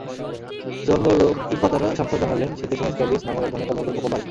চর্মরোগইফফাত আরা শামসাদ জানালেন, শীতের সময় স্ক্যাবিস নামক একধরনের চর্মরোগের প্রকোপ বাড়ে।